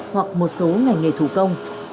hoặc một số ngành nghề thủ công